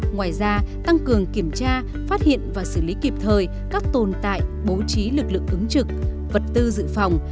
ngoài ra tăng cường kiểm tra phát hiện và xử lý kịp thời các tồn tại bố trí lực lượng ứng trực vật tư dự phòng